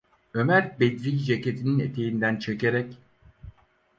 Ömer, Bedri’yi ceketinin eteğinden çekerek: